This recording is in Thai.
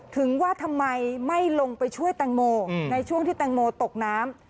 ถึงว่าทำไมไม่ลงไปช่วยแตงโมในช่วงที่แตงโมตกน้ำ